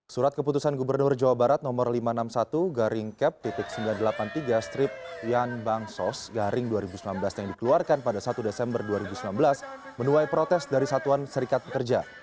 surat keputusan gubernur jawa barat nomor lima ratus enam puluh satu garing kep sembilan ratus delapan puluh tiga strip yanbangsos garing dua ribu sembilan belas yang dikeluarkan pada satu desember dua ribu sembilan belas menuai protes dari satuan serikat pekerja